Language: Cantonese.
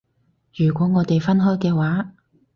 如果我哋分開嘅話